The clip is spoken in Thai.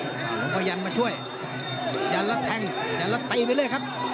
พยายามมาช่วยย้ำละแต้งย้ำละตีไปเลยครับ